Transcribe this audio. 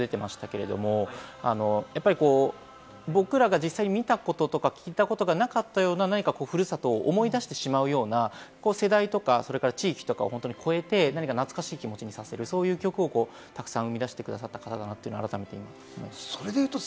『サライ』なんかで心のふるさとというキーワード出てましたけれども、僕らが実際に見たこととか聞いたことがなかったような、ふるさとを思い出してしまうような、世代とか地域とかを超えて、懐かしい気持ちにさせるそういう曲をたくさん生み出してくださった方だなと改めて思います。